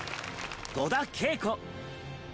戸田恵子。